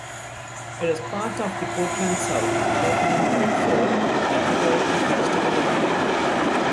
It is part of the Portland-South Portland-Biddeford Metropolitan Statistical Area.